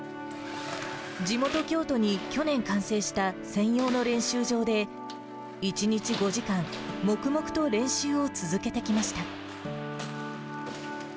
地元、京都に去年完成した専用の練習場で、１日５時間、黙々と練習を続けてきました。